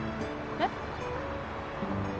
えっ？